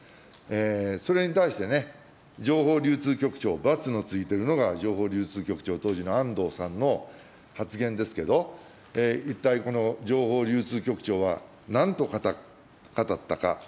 それに対してね、情報流通局長、ばつがついているのが情報流通局長、当時の安藤さんの発言ですけど、一体この情報流通局長はなんと語ったか。